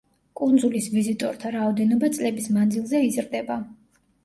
კუნძულის ვიზიტორთა რაოდენობა წლების მანძილზე იზრდება.